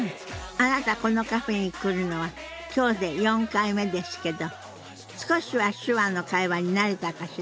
あなたこのカフェに来るのは今日で４回目ですけど少しは手話の会話に慣れたかしら？